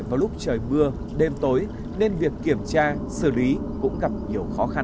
vào lúc trời mưa đêm tối nên việc kiểm tra xử lý cũng gặp nhiều khó khăn